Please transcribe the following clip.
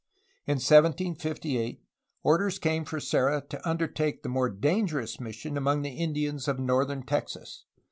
In 1758 orders came for Serra to undertake the more dangerous mission among the Indians of northern Texas.